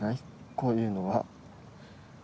こういうのは